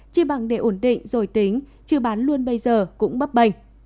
chỉ bằng để ổn định rồi tính chứ bán luôn bây giờ cũng bấp bệnh